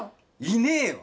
いねえよ。